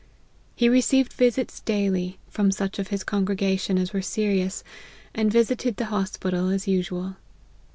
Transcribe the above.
He received visits daily, from such of his congregation as were serious, and visited the hospital as usual.